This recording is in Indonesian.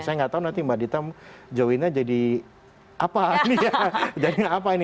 saya nggak tahu nanti mbak dita join nya jadi apa jadi apa ini